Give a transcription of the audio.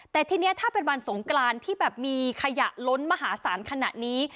แต่ทีนี้ถ้าเป็นวันสงกรานที่แบบมีขยะล้นมหาศาลขณะนี้